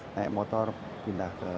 naik motor pindah ke